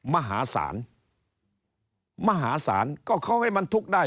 มหาศาลมหาศาลก็เขาให้มันทุกข์ได้